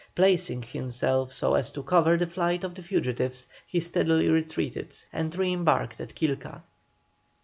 Placing himself so as to cover the flight of the fugitives, he steadily retreated and re embarked at Quilca.